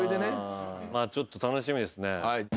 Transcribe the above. ちょっと楽しみですね。